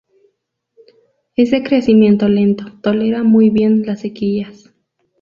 Es de crecimiento lento, tolera muy bien las sequías.